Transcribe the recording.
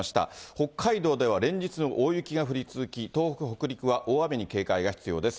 北海道では連日、大雪が降り続き、東北、北陸は大雨に警戒が必要です。